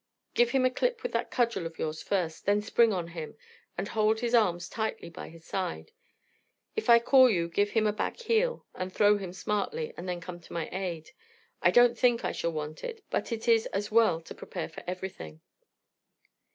Give him a clip with that cudgel of yours first, then spring on him, and hold his arms tightly by his side. If I call you give him a back heel and throw him smartly, and then come to my aid. I don't think I shall want it, but it is as well to prepare for everything."